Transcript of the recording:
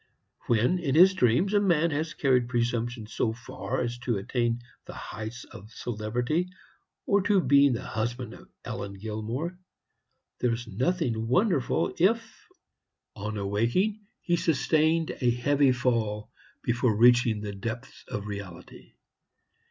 When, in his dreams, a man has carried presumption so far as to attain to the heights of celebrity, or to being the husband of Ellen Gilmore, there was nothing wonderful if, on awaking, he sustained a heavy fall before reaching the depths of reality.